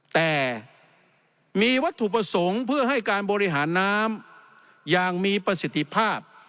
แต่มีวัตถุประสงค์เพื่อให้การบริหารน้ำอย่างมีประสิทธิภาพ